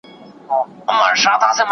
د طبیعي منابعو وېش عادلانه پکار دی.